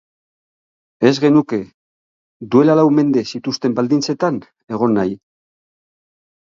Ez genuke duela lau mende zituzten baldintzetan egon nahi.